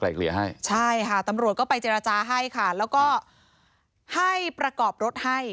เกลี่ยให้ใช่ค่ะตำรวจก็ไปเจรจาให้ค่ะแล้วก็ให้ประกอบรถให้